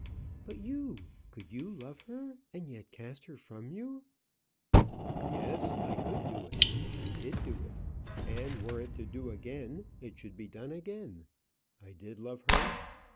"But you could you love her, and yet cast her from you?" "Yes; I could do it. I did do it and were it to do again, it should be done again. I did love her.